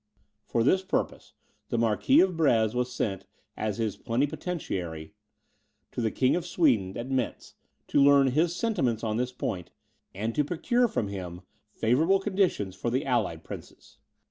For this purpose, the Marquis of Breze was sent, as his plenipotentiary, to the King of Sweden at Mentz, to learn his sentiments on this point, and to procure from him favourable conditions for the allied princes.